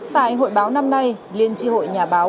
tại hội báo năm nay liên tri hội nhà báo